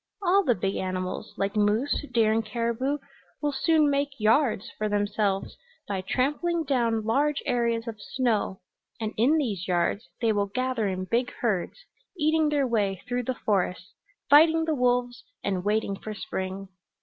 All the big animals, like moose, deer and caribou, will soon make 'yards' for themselves by trampling down large areas of snow, and in these yards they will gather in big herds, eating their way through the forests, fighting the wolves and waiting for spring.